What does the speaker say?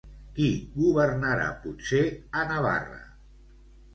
Qui governarà potser a Navarra?